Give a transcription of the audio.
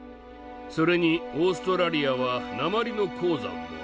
それにオーストラリアは鉛の鉱山もある。